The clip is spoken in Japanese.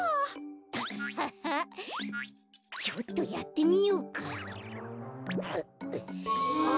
アッハッハッちょっとやってみようか。